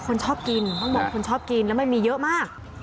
คนชอบกินต้องบอกคนชอบกินแล้วมันมีเยอะมาก